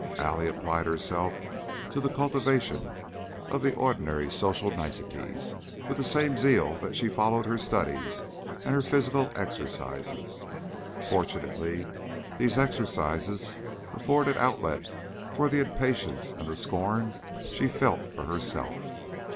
Allie applied herself to the cultivation of the ordinary social niceties with the same zeal that she followed her studies and her physical exercises. Fortunately these exercises afforded outlet for the impatience and the scorn that she felt for herself.